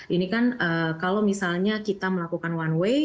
ini kan kalau misalnya kita melakukan one way